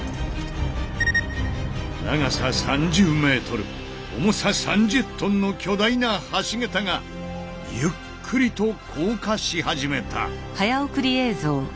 長さ３０ｍ重さ３０ｔの巨大な橋桁がゆっくりと降下し始めた。